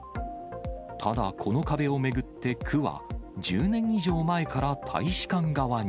ただ、この壁を巡って、区は１０年以上前から大使館側に。